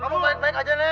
kamu baik baik aja neng